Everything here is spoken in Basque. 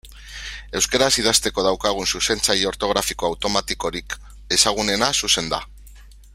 Euskaraz idazteko daukagun zuzentzaile ortografiko automatikorik ezagunena Xuxen da.